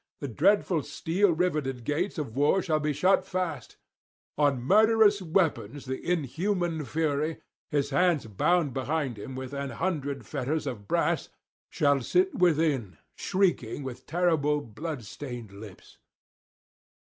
The dreadful steel riveted gates of war shall be shut fast; on murderous weapons the inhuman Fury, his hands bound behind him with an hundred fetters of brass, shall sit within, shrieking with terrible blood stained lips.'